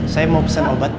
saya mau pesan obat